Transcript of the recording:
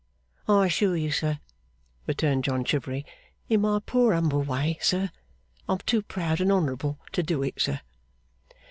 I assure you, sir,' returned John Chivery, 'in my poor humble way, sir, I'm too proud and honourable to do it, sir.